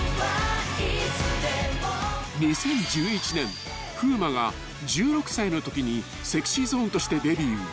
［２０１１年風磨が１６歳のときにＳｅｘｙＺｏｎｅとしてデビュー］